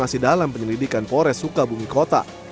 masih dalam penyelidikan pores sukabumi kota